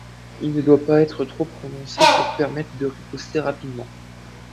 Il ne doit pas être trop prononcé pour permettre de riposter rapidement.